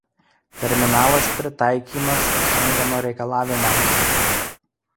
Terminalas pritaikymas Šengeno reikalavimams.